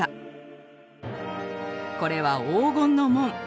これは「黄金の門」。